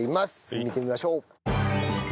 見てみましょう。